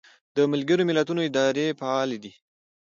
د ملګرو ملتونو ادارې فعالې دي